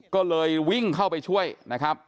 ก็เลยวิ่งเข้าไปช่วยนะครับ